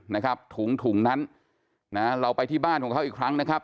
นะครับถุงถุงนั้นนะเราไปที่บ้านของเขาอีกครั้งนะครับ